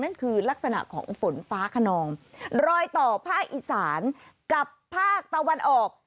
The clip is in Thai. นั่นคือลักษณะของฝนฟ้าขนองรอยต่อภาคอีสานกับภาคตะวันออก